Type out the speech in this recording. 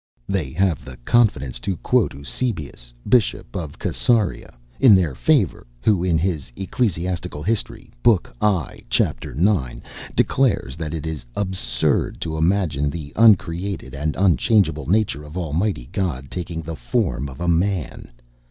They have the confidence to quote Eusebius, Bishop of C├"sarea, in their favor, who, in his "Ecclesiastical History," book i., chap. 9, declares that it is absurd to imagine the uncreated and unchangeable nature of Almighty God taking the form of a man.